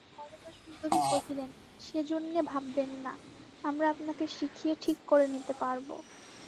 বরদাসুন্দরী কহিলেন, সেজন্যে ভাববেন না– আমরা আপনাকে শিখিয়ে ঠিক করে নিতে পারব।